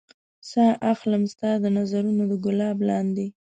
ساه اخلم ستا د نظرونو د ګلاب لاندې